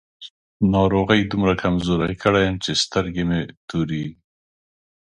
ناروغۍ دومره کمزوری کړی يم چې سترګې مې تورېږي.